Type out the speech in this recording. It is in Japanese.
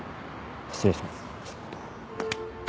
失礼します。